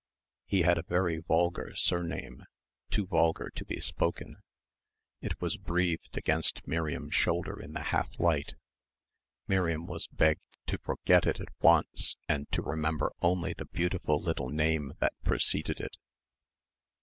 He had a very vulgar surname, too vulgar to be spoken; it was breathed against Miriam's shoulder in the half light. Miriam was begged to forget it at once and to remember only the beautiful little name that preceded it.